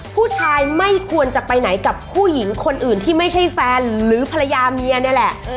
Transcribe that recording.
ผู้ชายไม่ควรจะไปไหนกับผู้หญิงคนอื่นที่ไม่ใช่แฟนหรือภรรยาเมียนี่แหละ